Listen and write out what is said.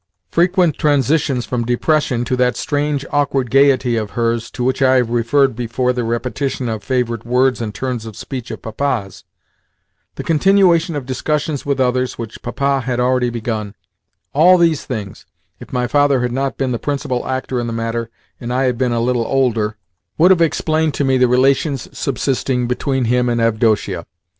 Frequent transitions from depression to that strange, awkward gaiety of hers to which I have referred before the repetition of favourite words and turns of speech of Papa's; the continuation of discussions with others which Papa had already begun all these things, if my father had not been the principal actor in the matter and I had been a little older, would have explained to me the relations subsisting between him and Avdotia.